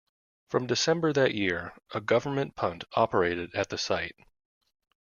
From December that year a government punt operated at the site.